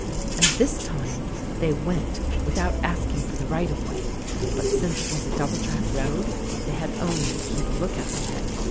And this time they went without asking for the right of way ; but, since it was a double track road, they had only to keep a lookout ahead.